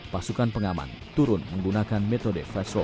pasukan pengaman turun menggunakan metode flash roll